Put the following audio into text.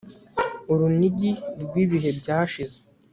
Urunigi rwibihe byashize